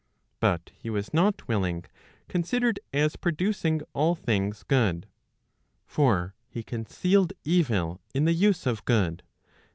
But he was not willing, considered as producing all things good. For he concealed evil in the use of good.